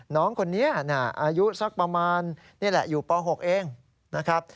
น้องคนนี้อายุสักประมาณนี่แหละอยู่ป๖เองนะครับ